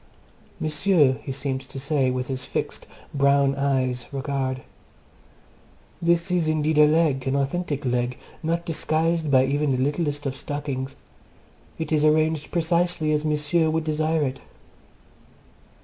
"M'sieu," he seemed to say, with his fixed, brown eyed regard, "this is indeed a leg, an authentic leg, not disguised by even the littlest of stockings; it is arranged precisely as M'sieu would desire it."